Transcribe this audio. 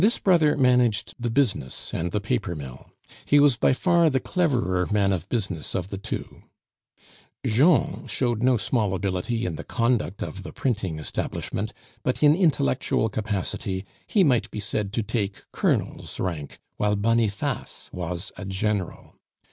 This brother managed the business and the paper mill; he was by far the cleverer man of business of the two. Jean showed no small ability in the conduct of the printing establishment, but in intellectual capacity he might be said to take colonel's rank, while Boniface was a general.